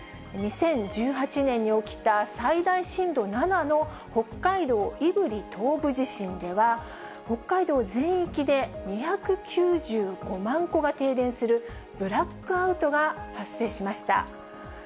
２０１８年に起きた最大震度７の北海道胆振東部地震では、北海道全域で２９５万戸が停電するブラックアウトが発生しました。